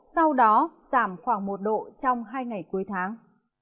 sau đó giảm khoảng một độ trong hai ngày cuối tháng